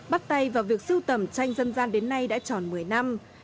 bắt tay vào việc sưu tầm tranh dân gian đến nay đã tròn một mươi năm